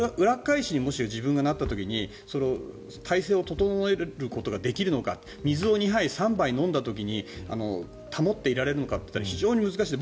もし自分がなった時に体勢を整えることができるのか水を２杯、３杯飲んだ時に保っていられるのかといったら非常に難しい。